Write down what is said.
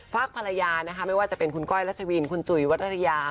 ฝากภรรยานะคะไม่ว่าจะเป็นคุณก้อยรัชวินคุณจุ๋ยวัตยา